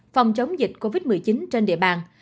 phòng chống dịch covid một mươi chín trên địa bàn